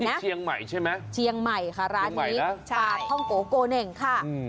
เชียงใหม่ใช่ไหมเชียงใหม่ค่ะร้านนี้ปลาท่องโกโกเน่งค่ะ